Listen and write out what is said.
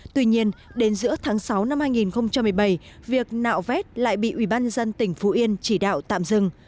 tuy nhiên đến giữa tháng sáu năm hai nghìn một mươi bảy việc nạo vét lại bị ubnd tỉnh phú yên chỉ đạo tạm dừng